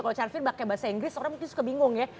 kalau charvir pakai bahasa inggris orang mungkin suka bingung ya